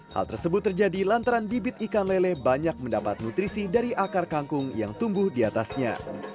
hal tersebut terjadi lantaran bibit ikan lele banyak mendapat nutrisi dari akar kangkung yang tumbuh di atasnya